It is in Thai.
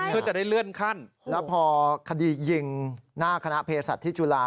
เพื่อจะได้เลื่อนขั้นแล้วพอคดียิงหน้าคณะเพศัตว์ที่จุฬา